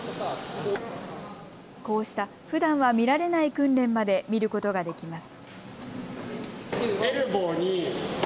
こうした、ふだんは見られない訓練まで見ることができます。